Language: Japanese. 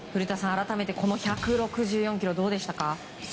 改めて１６４キロどうでしたか？